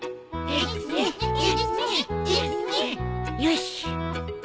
よし。